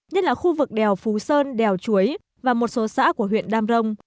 nhất là khu vực đèo phú sơn đèo chuối và một số xã của huyện đam rồng